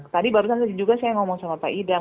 tadi barusan tadi juga saya ngomong sama pak idam